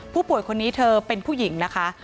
ผู้ป่วยคนนี้เธอเป็นผู้หญิงนะคะ